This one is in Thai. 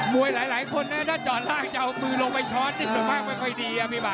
มวยหลายคนน่ะจะจอดรากเอามือลงใบช้อนสว่างไม่ค่อยดี